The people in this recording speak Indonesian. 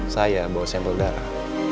saya bawa sampel darah